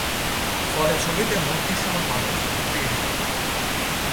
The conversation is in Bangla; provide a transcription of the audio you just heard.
ফলে ছবিতে মোট দৃশ্যমান মানুষ ত্রিশ জন।